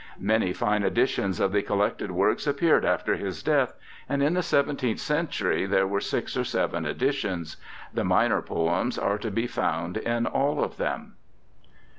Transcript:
Many fine editions of the collected works appeared after his death, and in the seventeenth century there were six or seven editions. The minor poems are to be found in all of them.